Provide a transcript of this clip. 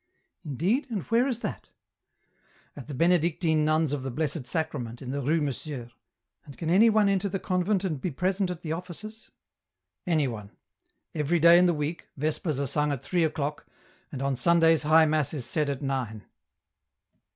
" Indeed, and where is that ?"" At the Benedictine nuns of the Blessed Sacrament in the Rue Monsieur." " And can anyone enter the convent and be present at the offices ?"" Anyone. Every day in the week, Vespers are sung at three o'clock, and on Sundays High Mass is said at nine."